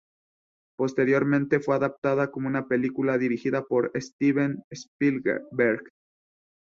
Posteriormente fue adaptada como una película dirigida por Steven Spielberg.